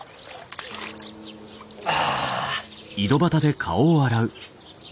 あ！